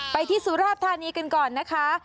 ไปที่สุราธานีกันก่อนนะคะ